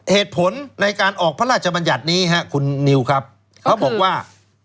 เหตุผลในการออกทรัพย์จำนัยคุณนิวครับเขาบอกว่า